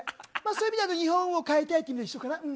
そういう意味では日本を変えたいというのは一緒かな。